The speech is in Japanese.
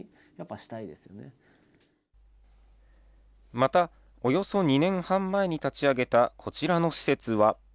また、およそ２年半前に立ち上げたこちらの施設は。